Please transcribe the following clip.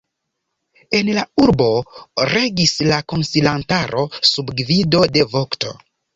En la urbo regis la konsilantaro sub gvido de vokto.